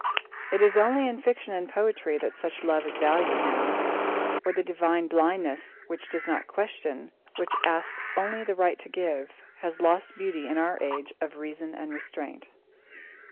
It is only in fiction and poetry that such love is valued now, for the divine blindness which does not question, which asks only the right to give, has lost beauty in our age of reason and restraint.